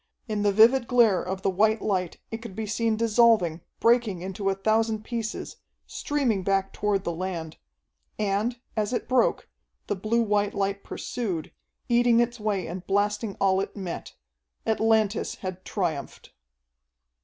In the vivid glare of the white light it could be seen dissolving, breaking into a thousand pieces, streaming back toward the land. And, as it broke, the blue white light pursued, eating its way and blasting all it met. Atlantis had triumphed.